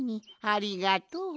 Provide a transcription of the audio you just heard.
ありがとう。